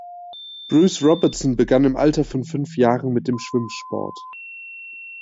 Bruce Robertson begann im Alter von fünf Jahren mit dem Schwimmsport.